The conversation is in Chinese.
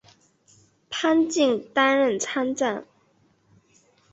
潘靖改任参赞。